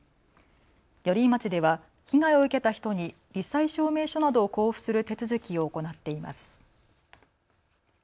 寄居町では被害を受けた人にり災証明書などを交付する手続きを行っています。